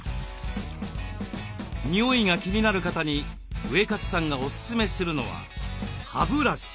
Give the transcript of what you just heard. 臭いが気になる方にウエカツさんがおすすめするのは歯ブラシ。